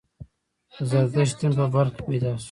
د زردشت دین په بلخ کې پیدا شو